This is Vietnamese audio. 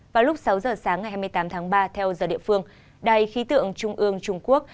vào lúc sáu giờ sáng ngày hai mươi tám tháng ba theo giờ địa phương đài khí tượng trung ương trung quốc